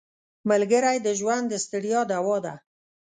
ملګری د ژوند د ستړیا دوا ده